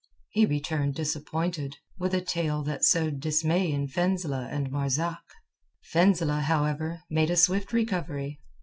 He returned disappointed, with a tale that sowed dismay in Fenzileh and Marzak. Fenzileh, however, made a swift recovery.